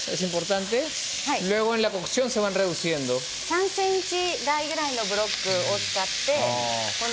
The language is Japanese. ３ｃｍ大ぐらいのブロックを使ってください。